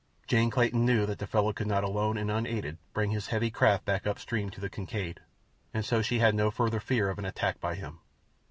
Jane Clayton knew that the fellow could not alone and unaided bring his heavy craft back up stream to the Kincaid, and so she had no further fear of an attack by him.